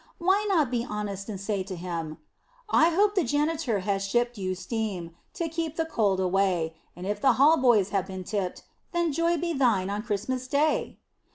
Why not be honest and say to him: I hope the janitor has shipped You steam, to keep the cold away; And if the hallboys have been tipped, Then joy be thine on Christmas Day!